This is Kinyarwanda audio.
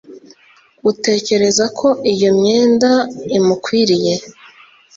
utekereza ko iyo myenda imukwiriye